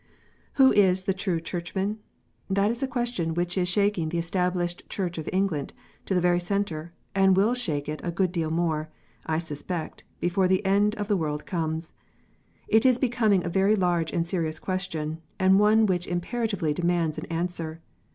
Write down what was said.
Who is the " true Churchman "? That is a question which is shaking the Established Church of England to the very centre, and will shake it a good deal more, I suspect, before the end of the world comes. It is becoming a very large and serious question, and one which imperatively demands an answer.